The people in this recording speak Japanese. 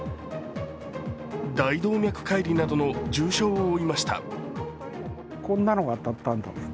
大動脈解離などの重傷を負いました。